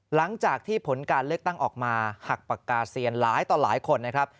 หลังจากที่ผลการเลือกตั้งออกมาหักปากกาเซียนหลายต่อหลายคนนะครับ